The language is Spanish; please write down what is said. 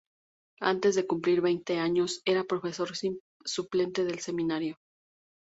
Antes de cumplir veinte años ya era profesor suplente del seminario.